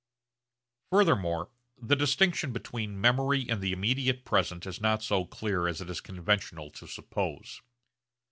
Furthermore the distinction between memory and the immediate present is not so clear as it is conventional to suppose.